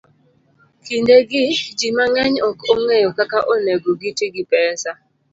Kindegi, ji mang'eny ok ong'eyo kaka onego giti gi pesa